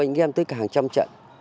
có nhiều anh em tới cả hàng trăm trận